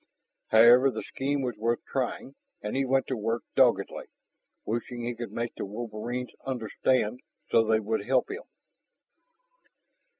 However, the scheme was worth trying, and he went to work doggedly, wishing he could make the wolverines understand so they would help him.